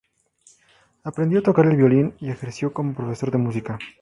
Aprendió a tocar el violín y ejerció como profesor de música.